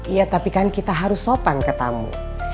iya tapi kan kita harus sopan ke tamu